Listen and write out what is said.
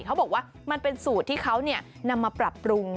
เขาบอกว่ามันเป็นสูตรที่เขานำมาปรับปรุง